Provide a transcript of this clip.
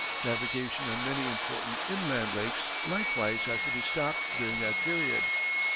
Navigation on many important inland lakes likewise has to be stopped during that period.